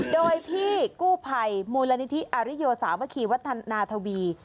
โดยพี่กู้ภัยมูลนิธิอาริโยสาวะคีย์วัดนาธวีย์